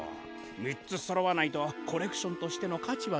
みっつそろわないとコレクションとしてのかちはないで。